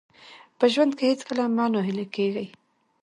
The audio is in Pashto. په ژوند کې هېڅکله مه ناهیلي کېږئ.